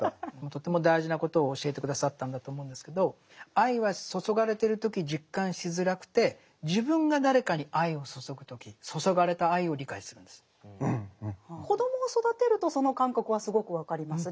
とても大事なことを教えて下さったんだと思うんですけど愛は注がれてる時実感しづらくて自分が子供を育てるとその感覚はすごく分かります。